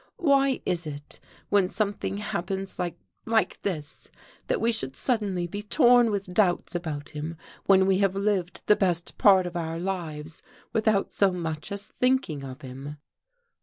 Why is it when something happens like like this, that we should suddenly be torn with doubts about him, when we have lived the best part of our lives without so much as thinking of him?"